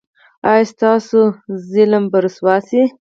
ایا ستاسو ظالم به رسوا شي؟